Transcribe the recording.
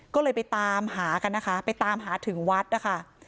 ก็เลยไปตามหากันนะคะไปตามหาถึงวัดนะคะ